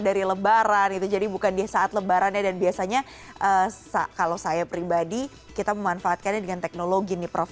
dan biasanya kalau saya pribadi kita memanfaatkannya dengan teknologi nih prof